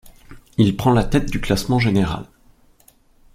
Il prend la tête du classement général.